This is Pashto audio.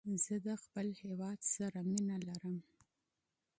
زه د خپل هېواد سره مینه لرم